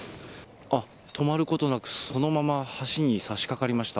あっ、止まることなくそのまま橋にさしかかりました。